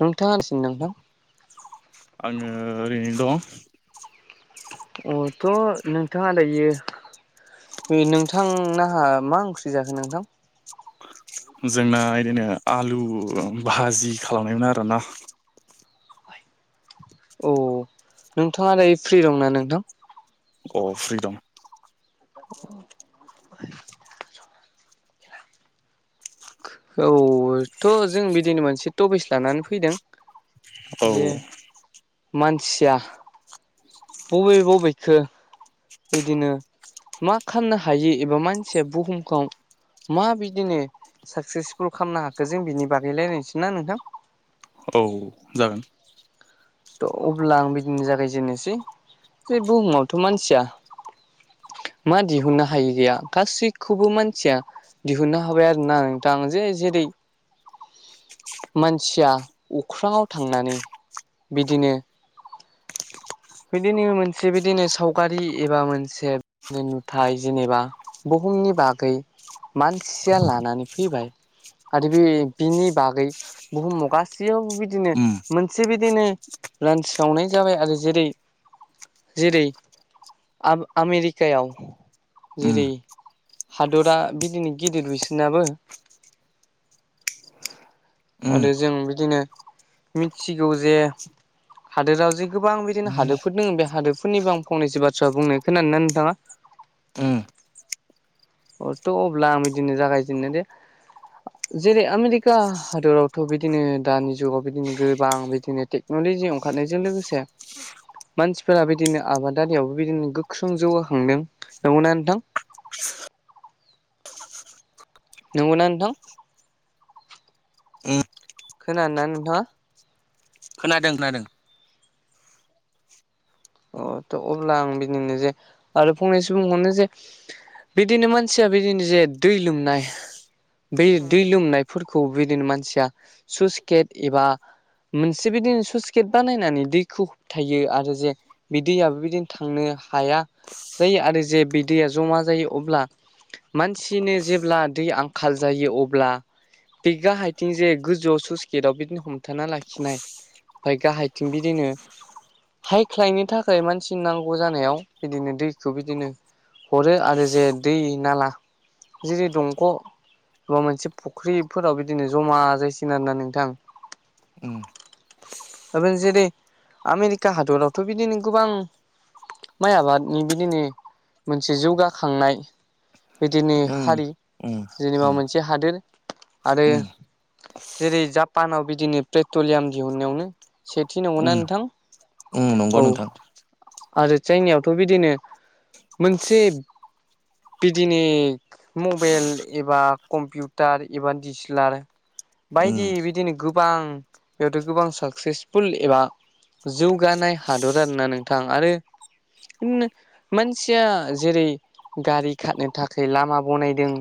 नोंथाङानोसि [unintelligible] नोंथां आङो ओरैनो दं अथ' नोंथाङा दायो बे [unintelligible] नोंथांनाहा मा ओंख्रि जाखो नोंथां जोंना बिदिनो आलु भाजि खालामनायमोन आरोना औ नोंथाङा दायो फ्रि दंना नोंथां अ फ्रि दं [inaudible] औथ' जों बिदिनो मोनसे टफिस लानानै फैदों औ जे मानसिया बबे बबेखो बिदिनो मा खामनो हायो एबा मानसिया बुहुमखौ म बिदिनो साक्सेसफुल खामनो हाखो जों बिनि बागै लायरायसै ना नोंथां औ जागोन थ' अब्ला आं बिदिनो जागायजेनोसै जे बुहुमावथ' मानसिया मा दिहुननो हायि गैया गासैखौबो मानसिया दिहुननो हाबाय आरो ना नोंथां जे जेरै मानसिया अख्राङाव थांनानै बिदिनो बिदिनो मोनसे बिदिनो सावगारि एबा मोनसे नुथाय जेनेबा बुहुमनि बागै मानसिया लानानै फैबाय आरो बे बिनि बागै बुहुमाव गासैयावबो बिदिनो उम मोनसे बिदिनो रानस्रावनाय जाबाय आरो जेरै जेरै आब आमेरिकायाव उम जेरै हादरा बिदिनो गिदिर बिसिनाबो उम आरो जों बिदिनो मिथिगौ जे हादोरा जि गोबां बिदिनो हादो फोर दोङ बे हादोरफोरनिबो आं फंनैसो बाथ्रा बुंनो खोना नोना नोंथाङा उम [inaudible] अथ' अब्ला आं बिदिनो जागायजेननो दे जेरै आमेरिका हादरावथ' बिदिनो दानि जुगाव बिदिनो गोबां बिदिनो टेक माने जों ओंखारनायजों लोगोसे मानसिफोरा बिदिनो आबादारियावबो बिदिनो गोख्रों जौगाखांदों नंगौना नोंथां नंगौना नोंथां उम खोनानो ना नोंथाङा खोनादों खोनादों अ थ' अब्ला आं बिदिनो जे आरो फंनै सो बुंबावनो जे बिदिनो मानसिया बिदिनो जे दै लोमनाय बे दै लोमनायफोरखौ बिदिनो मानसिया स्लुइस गेट एबा मोनसे बिदिनो स्लुइस गेट बानायनानै दैखौ होबथायो आरो जे बिदैयाबो बिदिनो थांनो हाया जायो आरो जे बिदैया जमा जायो अब्ला मानसिनो जेब्ला दै आंखाल जायो अब्ला बिगा हायथिं जे गोजौआव स्लुइस गेटआव बिदिनो हमथाना लाखिनाय फाय गाहायथिं बिदिनो हाइ ख्लायमि थाखाय मानसिनि नांगौ जानायाव बिदिनो दैखौ बिदिनो हरो आरो जे दै नाला जेरै दंख' माबा मोनसे फुख्रिफोराव बिदिनो जमा जायसि आनोना नोंथां उम [unintelligible] जेरै आमेरिका हादरावथ' बिदिनो गोबां माइ आबादनि बिदिनो मोनसे जौगाखांनाय बिदिनो उम हारि उम जेनेबा उम मोनसे हादोर आरो उम जेरै जापानाव बिदिनो पेट्रलियाम दिहुनायावनो सेथि नंगौना नोंथां? ओ औ नंगौ नोंथां। आरो चाइनायआवथ' बिदिनो मोनसे बिदिनिक मबेल एबा कम्पिउटार एबा डिसिलार उम बायदि बिदिनो गोबां बेयावथ' गोबां साक्सेसफुल एबा। जौगानाय हादर आरोना नोंथां आरो होन्नो मानसिया जेरै गारि खारनो थाखाय लामा बनायदों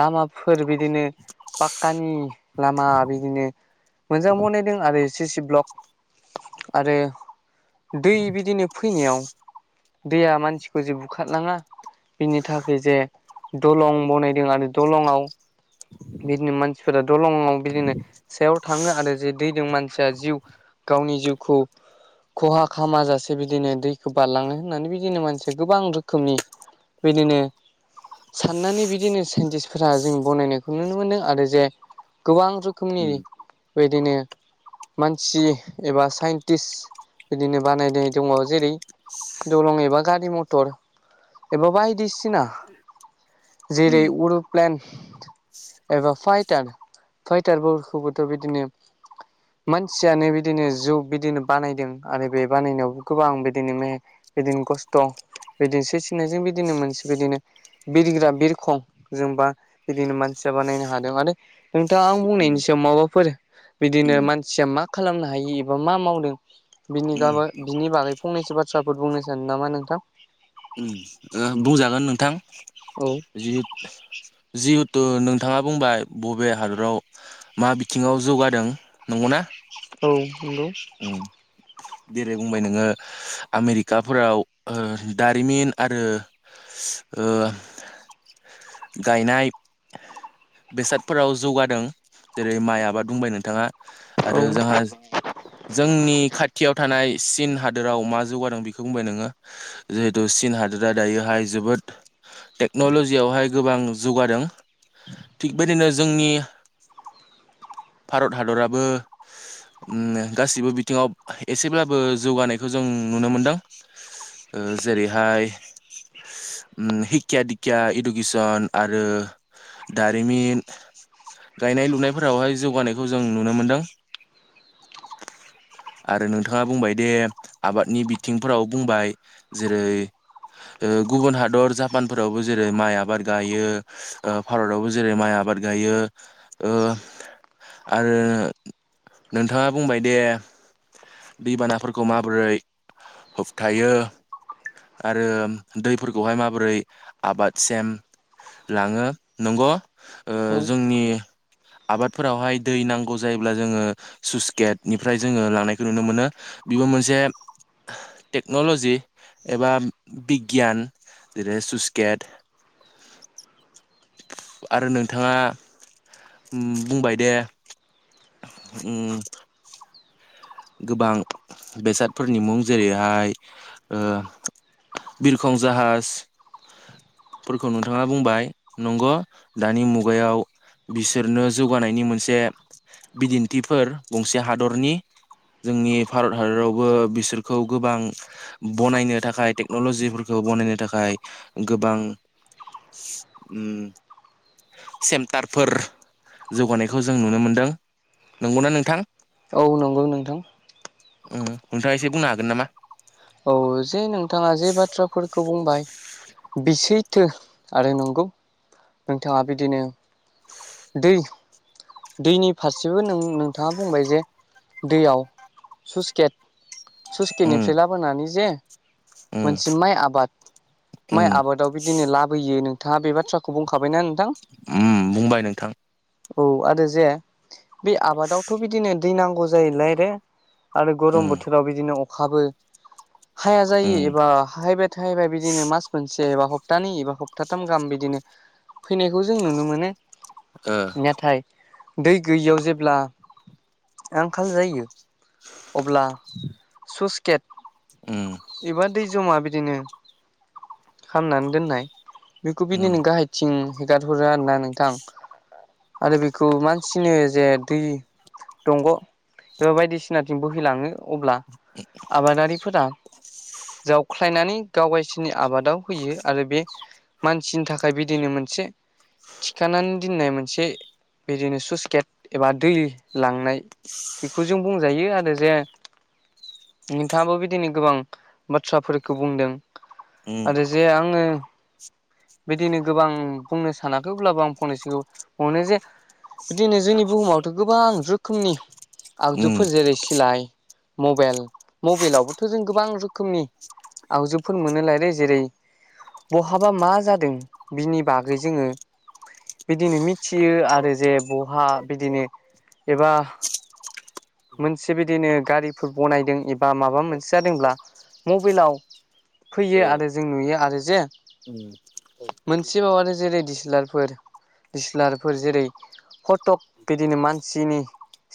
लामाफोर बिदिनो पाक्कानि लामा बिदिनो मोजां बनायदों आरो सिसि ब्लक आरो दै बिदिनो फैनायाव दैया मानसिखौ जि बुखारलाङा बिनि थाखाय जे दलं बनायदों आनो दलंआव बिदिनो मानसिफोरा दलंआव बिदिनो सायाव थाङो आरो जे दैदों मानसिया जिउ गावनि जिउखौ खहा खामा जासे बिदिनो दैखौ बारलांनो होननानै बिदिनो मानसिया गोबां रोखोमनि बिदिनो साननानै बिदिनो साइन्टिस्टफोरा जों बनायनायखौ नुनो मोनदों आरो जे गोबां रोखोमनि उम बेदिनो मानसि एबा साइन्टिस्ट बिदिनो बानायनाय दङ जेरै दलं एबा गारि मथर। एबा बायदिसिना उम जेरै उरुप्लेन। एबा फाइटार फाइटारफोरखौबोथ' बिदिनो मानसियानो बिदिनो जुग बिदिनो बानायदों आरो बे बानायनायावबो गोबां बिदिनो मे बिदिनो खस्थ' बिदिनोस सिनायजों बिदिनो मोनसे बिदिनो बिरग्रा बिरखं जोंबा बिदिनो मानसिया बानायनायनो हादों माने नोंथाङा आं उम बुंनायनि सायाव माबाफोर बिदिनो उम मानसिया मा खालामनो हायो एबा मा मावदों बिनि उम गाब बिनि बागै फंनैसो बाथ्राफोर बुंनो सानो नामा नोंथां? ओम ओ बुंजागोन नोंथां औ जि जिहेथु नोंथाङा बुंबाय बबे हादराव मा बिथिङाव जौगादों नंगौना? औ नंगौ। उम जेरै बुंबाय नोङो आमेरिकाफोराव ओ दारिमिन आरो ओ गायनाय बेसादफोराव जौगादों जेरै माइ आबाद बुंबाय नोंथाङा। औ आरो जोंहा जोंनि खा थियाव थानाय चीन हादोराव मा जौगादों बेखौ बुंबाय नोङो। जिहेतु चीन हादोरा दायोहाय जोबोद टेक्न'ल'जियावहाय गोबां जौगादों। थिग बेदिनो जोंनि भारत हादराबो ओम गासिबो बिथिङाव एसेब्लाबो जौगानायखौ जों नुनो मोनदों ओ जेरैहाय ओम हिक्षया दिक्षया इदुकेसन आरो दारिमिन। गायनाय लुनायफोरावहाय जौगानायखौ जों नुनो मोन्दों। आरो नोंथाङा बुंबाय दे आबादनि बिथिंफोराव बुंबाय जेरै ओ गुबुन हादर जापानफोरावबो जेरै माइ आबाद गायो। ओ भारतावबो जेरै माइ आबाद गायो ओ आरो नोंथाङा बुंबाय दे दैबानाफोरखौ माबोरै होबथायो। आरो दैफोरखौहाय माबोरै आबादसेम लाङो नंग ओ जोंनि आबादफोरावहाय दै नांगौ जायोब्ला जोङो सुसगेटनिफ्राय जोङो लानाय नुनो मोनो बिबो मोनसे टेक्न'ल'जि एबा बिगियान जेरै सुसगेट। [inaudible] आरो नोंथाङा उम बुंबाय दे उम गोबां बेसादफोरनि मुं जेरैहाय ओ बिरखं जाहाज फोरखौ नोंथाङा बुंबाय नंग दानि मुगायाव बिसोरनो जौगानायनि मोनसे बिदिन्थिफोर गंसे हादरनि। जोंनि भारत हादरावबो बिसोरखौ गोबां बनायनो थाखाय टेक्न'लजिफोरखौ बनायनो थाखाय गोबां उम सेन्टारफोर जौगानायखौ जों नुनो मोनदों नंगौना नोंथां औ नंगौ नोंथां उम नोंथाङा एसे बुंनो हागोन नामा औ जे नोंथाङा जे बाथ्राफोर खौ बुंबाय बि सैथो आरो नंगौ नोंथाङा बिदिनो दै दैनि फारसेबो नों नोंथाङा बुंबाय जे दैयाव सुस गेट सुस उम गेटनिफ्राय लाबोनानै जे उम मोनसे माइ आबाद माइ उम आबादाव बिदिनो लाबोयो नोंथाङा बे बाथ्राखौ बुंखाबायनों उम बुंबाय नोंथां औ आरो जे बे आबादावथ' बिदिनो दै नांगौ जायोलाय रे आरो गरम उम बोथोराव बिदिनो हाबो हाया जायो उम एबा हायबेट थाहैबाय बिदिनो मास मोनसे एबा हप्तानि एबा हप्ताथाम गाहाम बिदिनो फैनायखौ जों नुनो मोनो ओ नेथाय दै गैयियाव जेब्ला आंखाल जायो अब्ला सुस गेट उम एबा दै जमा बिदिनो खामनानै दोननाय बेखौ उम बिदिनो गाहायथिं हेगारहरो आरोना नोंथां आरो बेखौ मानसिनो जे दै दंग' एबा बायदिसि सिनाथिं बोहैलाङो अब्ला आबादारिफोरा जावख्लायनानै गाव गायसिनि आबादाव होयो आरो बे मानसिनि थाखाय बिदिनो मोनसे थिखानानै दोननाय मोनसे बिदिनो सुइस गेट एबा दै लांनाय बेखौ जों बुङो जायो आरो जे नोंथाङाबो बिदिनो गोबां बाथ्राफोरखौ बुंदों उम आरो जे आङो बिदिनो गोबां बुंनो सानाखै अब्लाबो आं फंनैसो मोननो जे दिनो जोंनि बुहुमावथ' गोबां रोखोमनि उम आगजुफोर जेरै सिलाय मबेल मबेलावबोथ' जों गोबां रोखोमनि आगजुफोर मोनो लायो जेरै बहाबा मा जादों बिनि बागै जोङो बिदिनो मिथियो आरो जे बहा बिदिनो एबा मोनसे बिदिनो गारिफोर बनायदों एबा माबा ओ मोनसे जादोंब्ला मबेलाव फैयो आरो जों नुयो आरो जे उम औ मोनसेबाव आरो जे डिसेलारफोर दिसलारफोर जेरै फटक बिदिनो मानसिनि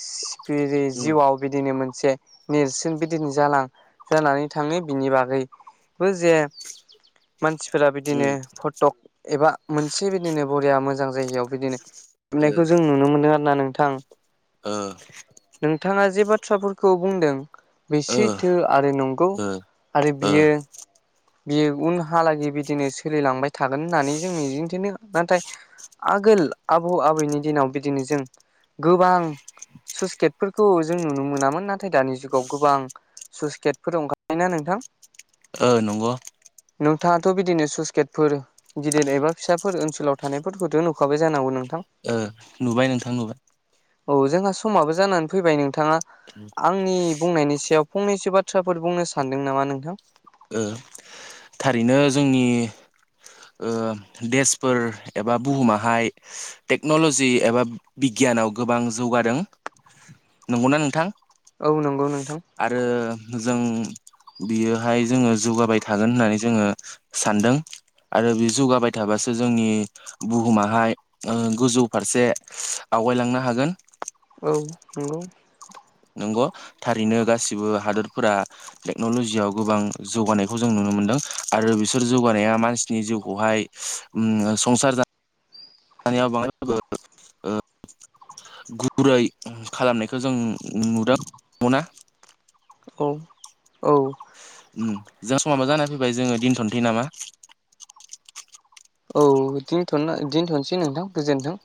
सिफिरि उम जिउआव बिदिनो मोनसे नेरसोन बिदिनो जालां जानानै थाङो बिनि बागैबो जे मानसि ओजा बिदिनो उम फटक एबा मोनसे बिदिनो बरिया मोजां जायगायाव बिदिनो ओ होबनायखौ जों नुनो मोनो आरो ना नोंथां ओ नोंथाङा जे बाथ्राफोरखौ बुंदों बे ओ सैथो आरो नंगौ ओ आरो ओ बियो बियो उनहालागै बिदिनो सोलिलांबाय थागोन होननानै जों मिजिंथिनो नाथाय आगोल आबौ आबैनि दिनाव बिदिनो जों गोबां सुसगेटफोरखौ जों नुनो मोनामोन नाथाय दानि जुगाव गोबां सुसगेटफोरओंखारबायना नोंथां ओ नंगौ। नोंथाङाथ' बिदिनो सुइसगेटफोर गिदिर एबा फिसाफोर ओनसोलाव थानायफोरखौथ' नुखाबाय जानांगौ नोंथां। ओ नुबाय नोंथां नुबाय। औ जोंहा समाबो जानानै फैबाय नोंथाङा आंनि बुंनायनि सायाव फंनैसो बाथ्राफोर बुंनो सानदों नामा नोंथां? ओ थारैनो जोंनि ओ देसफोर एबा बुहुमाहाय टेक्न'ल'जि एबा बिगियानाव गोबां जौगादों। नंगौना नोंथां? औ नंगौ नोंथां। आरो जों बियोहाय जोङो जौगाबाय थागोन होननानै जोङो सानदों आरो बे जौगाबाय थाबासो जोंनि बुहुमाहाय ओ गोजौ फारसे आवगायलांनो हागोन औ नंगौ। नंगौ थारैनो गासिबो हादोरफोरा टेक्न'ल'जियाव गोबां जौगानायखौ जों नुनो मोनदों आरो बिसोर जौगानाया मानसिनि जिउखौहाय उम संसार जा दानायाव बांद्रायबो ओ गुरै खालामनायखौ जों [unintelligible] औ औ उम जाहा समाबो जाना फैबाय जोङो दिनथ'नोसै नामा औ दिनथ'नो दोनथ'नोसै नोंथां गोजोन्थों